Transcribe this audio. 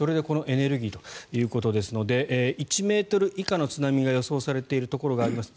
それでこのエネルギーということですので１ｍ以下の津波が予測されているところがあります。